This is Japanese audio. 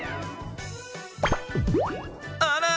あら！